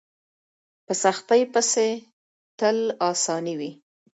په سختۍ پسې تل اساني وي.